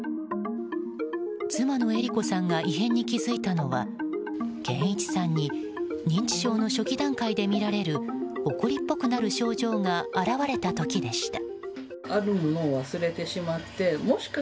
妻のえり子さんが異変に気付いたのは謙一さんに認知症の初期段階で見られる怒りっぽくなる症状が現れた時でした。